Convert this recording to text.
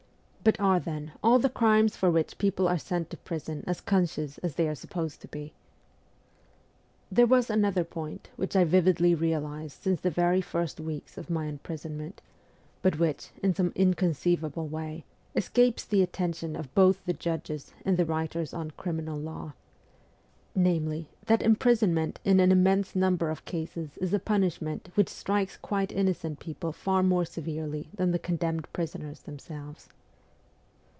But are, then, all the ' crimes ' for which 270 MEMOIRS OF A REVOLUTIONIST people are sent to prison as conscious as they are sup posed to be ? There was another point which I vividly realized since the very first weeks of my imprisonment, but which, in some inconceivable way, escapes the attention of both the judges and the writers on criminal law namely, that imprisonment in an immense number of cases is a punishment which strikes quite innocent people far more severely than the condemned prisoners themselves.